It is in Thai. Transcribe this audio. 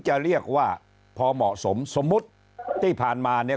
จะเรียกว่าพอเหมาะสมสมมุติที่ผ่านมาเนี่ย